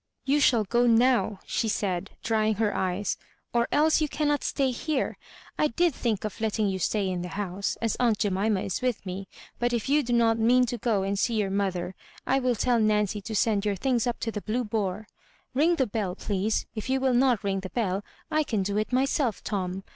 " You shall go now" she said, drying her eyes, " or else you cannot stay here. I did think of letting you stay in the house, as aunt Jemima is with me; but if you do not mean to go and see your mother, J will tell Nancy to send your things up to the Blue Boar. Bing the beU, please ; if you wiU not ring the bell, I can do it myself, Tom.